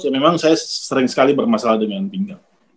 memang saya sering sekali bermasalah dengan pinggang